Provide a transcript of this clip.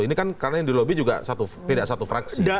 ini kan karena yang dilobi juga tidak satu fraksi